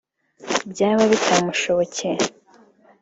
byaba bitamushobokeye